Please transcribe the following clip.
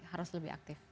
harus lebih aktif